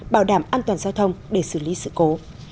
bảo đảm an toàn giao thông để xử lý sự cố